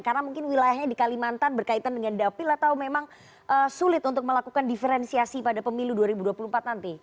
karena mungkin wilayahnya di kalimantan berkaitan dengan dapil atau memang sulit untuk melakukan diferensiasi pada pemilu dua ribu dua puluh empat nanti